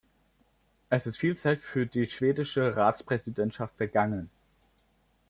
Es ist viel Zeit für die schwedische Ratspräsidentschaft vergangen.